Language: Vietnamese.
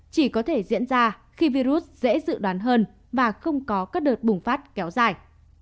chỉ có thể diễn ra khi virus dễ dự đoán hơn và không có các đợt bùng phát kéo dài